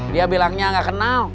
dia bilangnya gak kena